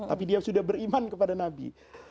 tapi dia sudah beriman kepada nabi